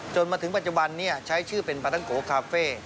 จนมาถึงปัจจุบันใช้ชื่อเป็นประตังโกคาเฟ่